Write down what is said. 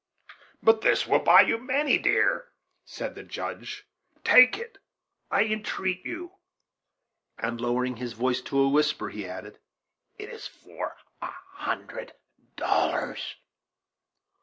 "But this will buy you many deer," said the Judge; "take it, I entreat you;" and, lowering his voice to a whisper, he added, "It is for a hundred dollars."